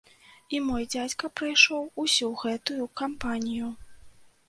І мой дзядзька прайшоў усю гэтую кампанію.